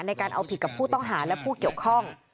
ในการเอาผิดกับผู้ต้องหาและผู้เกี่ยวข้อง